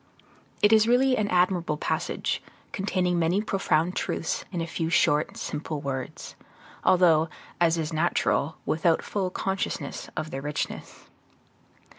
It is a really admirable passage, containing many profound truths in a few short, simple words, although, as is natural, without full consciousness of their richness.